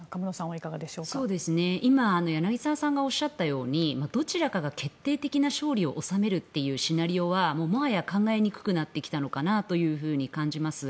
今、柳澤さんがおっしゃったようにどちらかが決定的な勝利を収めるというシナリオは、もはや考えにくくなってきたと感じます。